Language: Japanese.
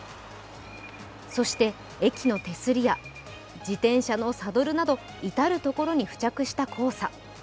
そして、駅の手すりや自転車のサドルなど至る所に付着した黄砂。